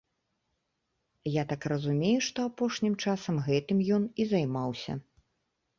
Я так разумею, што апошнім часам гэтым ён і займаўся.